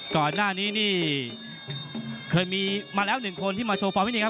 ก่อนหน้านี้นี่เคยมีมาแล้วหนึ่งคนที่มาโชว์ฟอร์มวินัยครับ